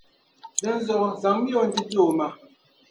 dinzuɣu zaŋmi ya o n-ti n ti o ma